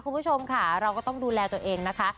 คุณผู้ชมค่ะเราก็ต้องดูแลตัวเองนะคะ